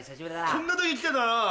こんな時に来てたなぁ。